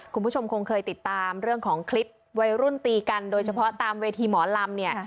คุณผู้ชมคงเคยติดตามเรื่องของคลิปวัยรุ่นตีกันโดยเฉพาะตามเวทีหมอลำเนี่ย